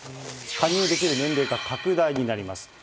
加入できる年齢が拡大になります。